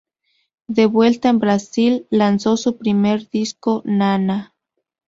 De vuelta en Brasil, lanzó su primer disco, "Nana".